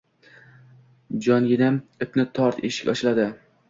Jonginam, ipni tort, eshik ochiladi!